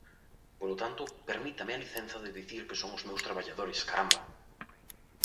Polo tanto, ¡permítame a licenza de dicir que son os meus traballadores, caramba!